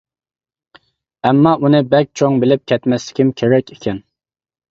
ئەمما ئۇنى بەك چوڭ بىلىپ كەتمەسلىكىم كېرەك ئىكەن.